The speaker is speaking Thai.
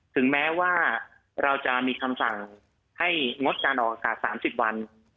ถึงแม้ว่าเราจะมีคำสั่งให้งดการออกอากาศ๓๐วัน